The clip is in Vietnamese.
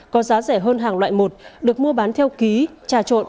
có giá rẻ hơn hàng loại một được mua bán theo ký trà trộn